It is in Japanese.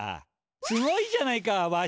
すごいじゃないかわしも！